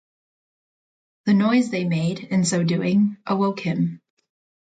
The noise they made, in so doing, awoke him.